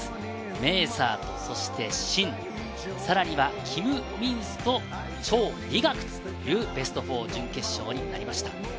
メーサーとシン、さらにはキム・ミンスとチョウ・リガクというベスト４、準決勝になりました。